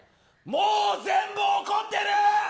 もう、全部怒ってる。